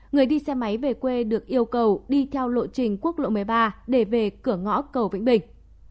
người đi xe máy về quê được yêu cầu đi theo lộ trình quốc lộ một mươi ba để về cửa ngõ cầu vĩnh bình